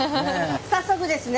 早速ですね